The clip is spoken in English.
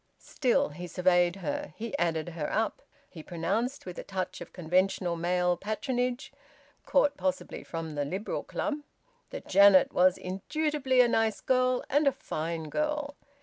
Still, he surveyed her; he added her up; he pronounced, with a touch of conventional male patronage (caught possibly from the Liberal Club), that Janet was indubitably a nice girl and a fine girl.